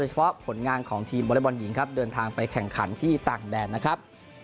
เฉพาะผลงานของทีมวอเล็กบอลหญิงครับเดินทางไปแข่งขันที่ต่างแดนนะครับ